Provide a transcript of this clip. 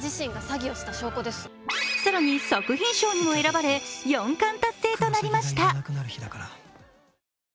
更に作品賞にも選ばれ４冠達成となりました。